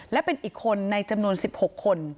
และเป็นอีกคนในจำนวน๑๖คน